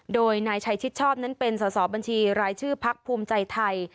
โดยนายชัยชิดชอบนั้นเป็นสอบบัญชีรายชื่อพักภูมิใจไทย